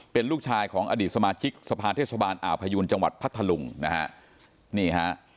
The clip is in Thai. เป็นลูกชายของอดีตสมาชิกสภาเทศบาลอ่าวพยูนจังหวัดพัทธลุงนะฮะนี่ฮะ